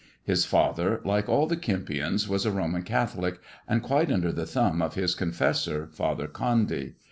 His father, like all the Kempions, was a Boman Catholic, and quite under the thumb of his confessor. Father Condy.